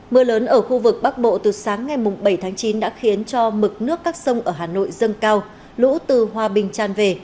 mưa lớn ở khu vực bắc bộ từ sáng ngày bảy tháng chín đã khiến cho mực nước các sông ở hà nội dâng cao lũ từ hòa bình tràn về